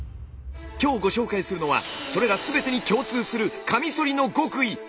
今日ご紹介するのはそれら全てに共通するカミソリの極意。